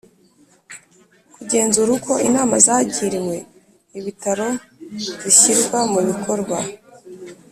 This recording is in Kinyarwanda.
kugenzura uko inama zagiriwe Ibitaro zishyirwa mu bikorwa